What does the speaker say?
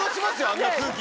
あんな空気。